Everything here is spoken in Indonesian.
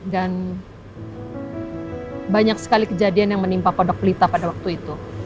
dan banyak sekali kejadian yang menimpa pondok pelita pada waktu itu